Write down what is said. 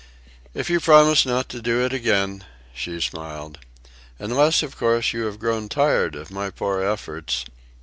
"If you promise not to do it again," she smiled. "Unless, of course, you have grown tired of my poor efforts."